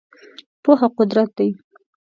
پوهه قدرت دی .